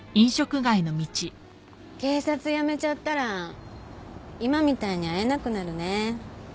警察辞めちゃったら今みたいに会えなくなるね。